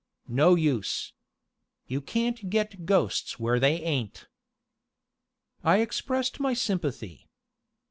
No use. You can't get ghosts where they ain't." I expressed my sympathy.